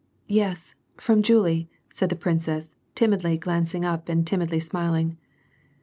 " Yes, from Julie," said the princess, timidly glancing up and timidly smiling.